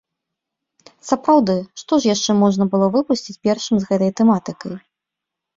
Сапраўды, што ж яшчэ можна было выпусціць першым з гэтай тэматыкай?